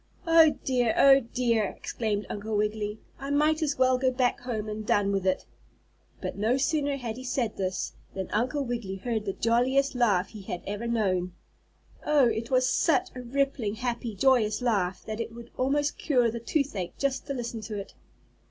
"Oh, dear! Oh, dear!" exclaimed Uncle Wiggily. "I might as well go back home and done with it." But no sooner had he said this, than Uncle Wiggily heard the jolliest laugh he had ever known. Oh! it was such a rippling, happy joyous laugh that it would almost cure the toothache just to listen to it.